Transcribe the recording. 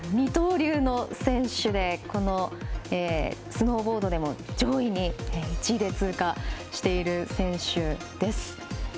二刀流の選手でスノーボードでも上位、１位で通過している選手です。